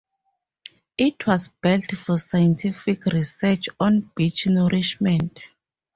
It was built for scientific research on Beach nourishment.